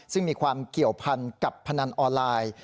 ซึ่งมีความเกี่ยวพันกับพนันออนไลน์